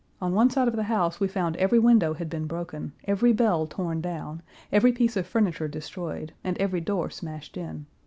On one side of the house we found every window had been broken, every bell torn down, every piece of furniture destroyed, and every door smashed in.